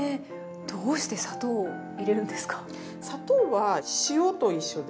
どうして砂糖を入れるんですか？